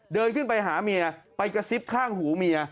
เดินขึ้นไปหาเมียไปกระซิบข้างหูเมีย